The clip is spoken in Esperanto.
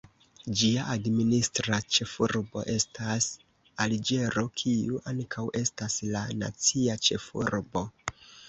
Ĝia administra ĉefurbo estas Alĝero, kiu ankaŭ estas la nacia ĉefurbo.